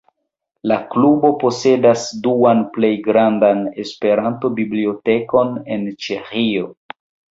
La Klubo posedas duan plej grandan Esperanto-bibliotekon en Ĉeĥio.